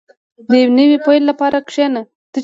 • د یو نوي پیل لپاره کښېنه.